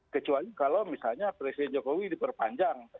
kecuali kalau misalnya presiden jokowi diperpanjang